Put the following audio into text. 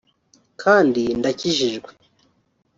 kandi ndakijijwe